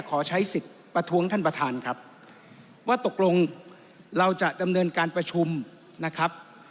ขอใช้สิทธิ์ประท้วงท่านประธานครับว่าตกลงเราจะดำเนินการประชุมนะครับ